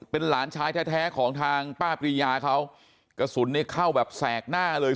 เป็นหลานชายแท้แท้ของทางป้าปริยาเขากระสุนเนี่ยเข้าแบบแสกหน้าเลย